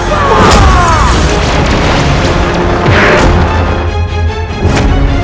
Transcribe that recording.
aku tidak peduli